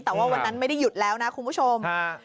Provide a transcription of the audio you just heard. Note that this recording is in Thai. แต่ว่าวันนั้นไม่ได้หยุดแล้วนะคุณผู้ชม